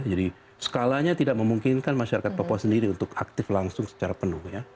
jadi skalanya tidak memungkinkan masyarakat papua sendiri untuk aktif langsung secara penuh